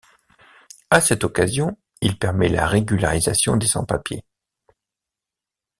À cette occasion, il permet la régularisation des sans-papiers.